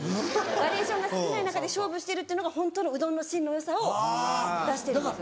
バリエーションが少ない中で勝負してるっていうのがホントのうどんの真のよさを出してるんですよ。